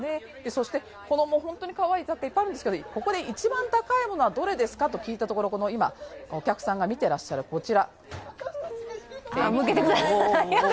そして本当にかわいいものいっぱいあるんですが、ここで一番高いものはどれですかと聞いたところ、今お客さんが見ていらっしゃるこちら。